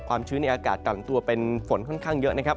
ชื้นในอากาศกลั่นตัวเป็นฝนค่อนข้างเยอะนะครับ